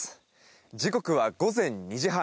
時刻は午前２時半。